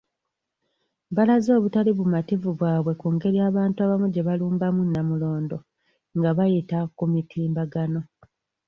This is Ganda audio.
Balaze obutali bumativu bwabwe ku ngeri abantu abamu gye balumbamu Namulondo nga bayita ku mitimbagano.